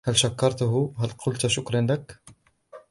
هل شكرتِهِ, هل قلتِ شكراً لك؟